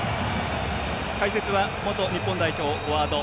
解説は、元日本代表フォワード